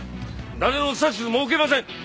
誰の指図も受けません！